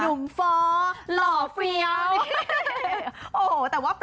หนุ่มฟ้อหล่อเฟียว